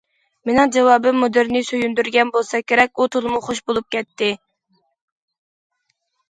مېنىڭ جاۋابىم مۇدىرنى سۆيۈندۈرگەن بولسا كېرەك، ئۇ تولىمۇ خوش بولۇپ كەتتى.